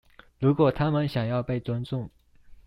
如果他們想要被尊重